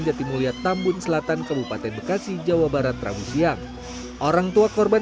jatimulia tambun selatan kabupaten bekasi jawa barat rabu siang orang tua korban